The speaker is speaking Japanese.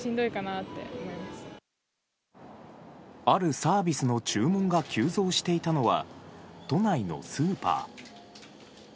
あるサービスの注文が急増していたのは都内のスーパー。